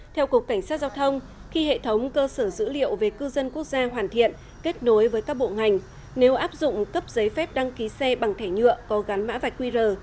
theo cục cảnh sát giao thông khi hệ thống cơ sở dữ liệu về cư dân quốc gia hoàn thiện kết nối với các bộ ngành nếu áp dụng cấp giấy phép đăng ký xe bằng thẻ nhựa có gắn mã vạch qr